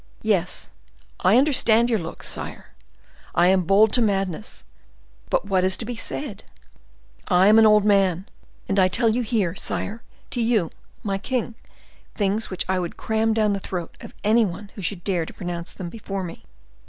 Yes—I understand your looks, sire. I am bold to madness; but what is to be said? I am an old man, and I tell you here, sire, to you, my king, things which I would cram down the throat of any one who should dare to pronounce them before me.